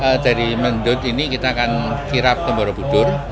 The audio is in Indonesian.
betul nanti dari mendut ini kita akan kirap kembar budur